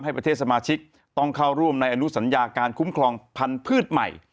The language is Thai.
ประเทศสมาชิกต้องเข้าร่วมในอนุสัญญาการคุ้มครองพันธุ์พืชใหม่